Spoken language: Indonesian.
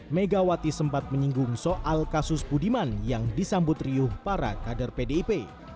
megawati sempat menyinggung soal kasus budiman yang disambut riuh para kader pdip